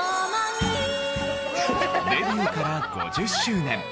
デビューから５０周年。